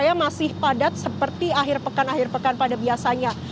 saya masih padat seperti akhir pekan akhir pekan pada biasanya